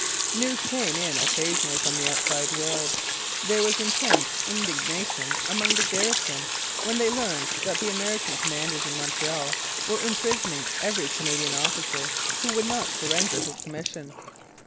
News came in occasionally from the outside world. There was intense indignation among the garrison when they learned that the American commanders in Montreal were imprisoning every Canadian officer who would not surrender his commission.